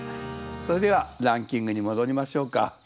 それではランキングに戻りましょうか。